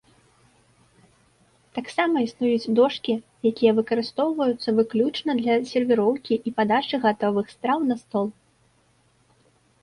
Таксама існуюць дошкі, якія выкарыстоўваюцца выключна для сервіроўкі і падачы гатовых страў на стол.